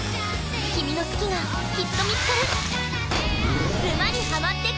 君の好きがきっと見つかる。